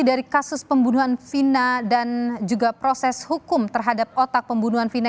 dari kasus pembunuhan vina dan juga proses hukum terhadap otak pembunuhan vina